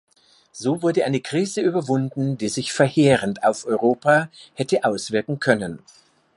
So wurde eine Krise überwunden, die sich verheerend auf Europa hätte auswirken können.